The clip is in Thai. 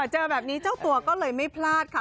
เจอแบบนี้เจ้าตัวก็เลยไม่พลาดค่ะ